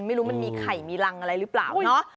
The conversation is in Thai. ไม่รู้มันมีไข่มีรังอะไรหรือเปล่าเนาะ